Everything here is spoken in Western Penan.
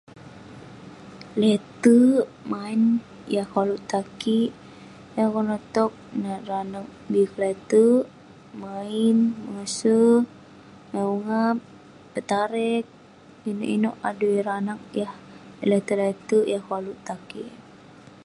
Lete'erk maen yah koluk tan kik, yah konak tog nat ireh anag bi kelete'erk, main, mengase, maen ungap, petarik. Inouk inouk adui ireh anag yah lete'erk-lete'erk yah koluk tan kik.